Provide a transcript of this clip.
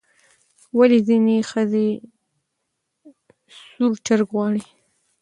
ولې ځینې ښځې سور چرګ غواړي؟